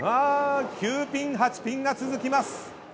９ピン８ピンが続きます。